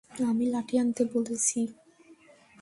আমি লাঠি আনতে বলেছি!